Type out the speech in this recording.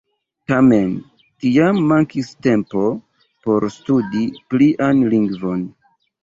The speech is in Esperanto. Tamen tiam mankis tempo por studi plian lingvon.